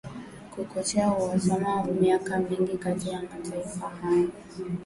kuchochea uhasama wa miaka mingi kati ya mataifa hayo